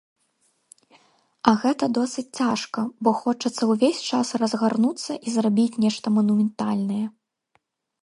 А гэта досыць цяжка, бо хочацца ўвесь час разгарнуцца і зрабіць нешта манументальнае.